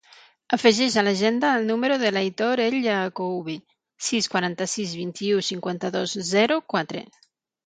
Afegeix a l'agenda el número de l'Aitor El Yaakoubi: sis, quaranta-sis, vint-i-u, cinquanta-dos, zero, quatre.